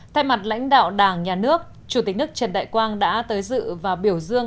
thay mặt lãnh đạo đảng nhà nước chủ tịch nước trần đại quang đã tới dự và biểu dương